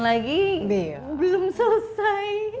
lagi belum selesai